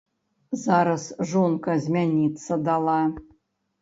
Зараз жонка змяніцца дала.